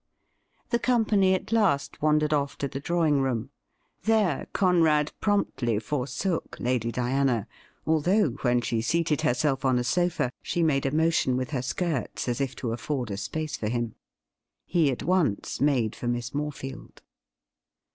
The company at last wandered off to the drawing room. There Conrad promptly forsook Lady Diana, although when she seated herself on a sofa she made a motion with her skirts as if to afford a space for him. He at once made for Miss Morefield.